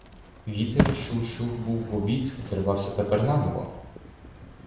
Вітер, що ущух був в обід, зривався тепер наново.